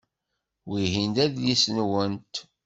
Wihin d adlis-nwent?